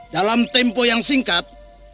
dalam tempo yang singkat